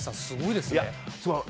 すごいですね。